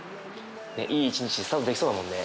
いい一日スタートできそうだもんね。